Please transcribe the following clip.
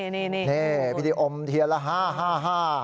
นี่พิธีอมเทียนละ๕๕